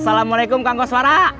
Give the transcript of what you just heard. assalamualaikum kang goswara